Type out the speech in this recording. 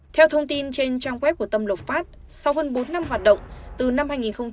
theo thông tin trên trang web của tâm lộc phát sau hơn bốn năm hoạt động từ năm hai nghìn một mươi